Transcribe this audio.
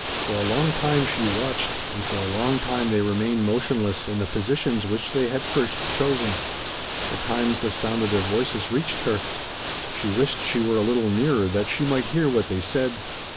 For a long time she watched and for a long time they remained motionless in the positions which they had first chosen. At times the sound of their voices reached her. She wished she were a little nearer that she might hear what they said.